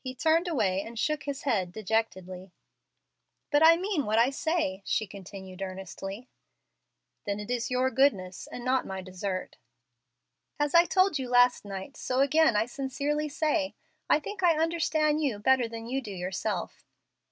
He turned away and shook his head dejectedly. "But I mean what I say," she continued, earnestly. "Then it is your goodness, and not my desert." "As I told you last night, so again I sincerely say, I think I understand you better than you do yourself."